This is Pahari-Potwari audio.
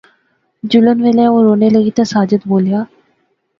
جلن ویلے او رونے لاغی تے ساجد بولیا